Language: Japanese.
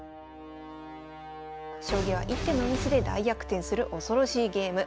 将棋は一手のミスで大逆転する恐ろしいゲーム。